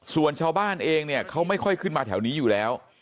ส่วนชาวบ้านเองเนี่ยเขาไม่ค่อยขึ้นมาแถวนี้อยู่แล้ว